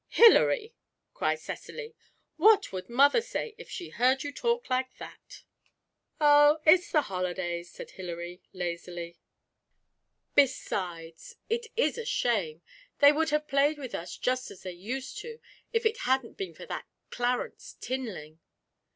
'Hilary!' cried Cecily, 'what would mother say if she heard you talk like that?' 'Oh, it's the holidays!' said Hilary, lazily. 'Besides, it is a shame! They would have played with us just as they used to, if it hadn't been for that Clarence Tinling.'